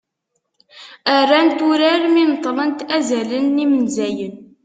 rrant urar mi neṭṭlent "azalen d yimenzayen"